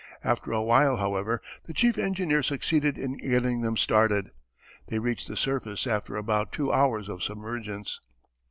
After a while, however, the chief engineer succeeded in getting them started. They reached the surface after about two hours of submergence.